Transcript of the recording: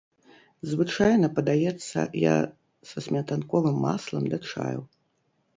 Звычайна падаецца я са сметанковым маслам да чаю.